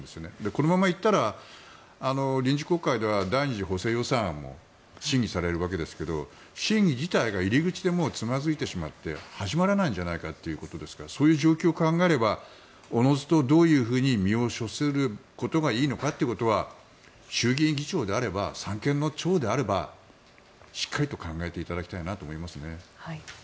このまま行ったら臨時国会では第２次補正予算も審議されるわけですが審議自体が入り口でもうつまずいてしまって始まらないんじゃないかということですからそういう状況を考えればおのずとどういうふうに身を処することがいいのかということが衆議院議長であれば三権の長であればしっかり考えていただきたいと思いますね。